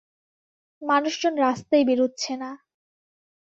মানুষজন রাস্তায় বেরুচ্ছে না।